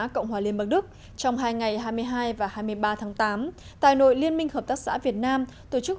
cộng hòa liên bang đức trong hai ngày hai mươi hai và hai mươi ba tháng tám tại nội liên minh hợp tác xã việt nam tổ chức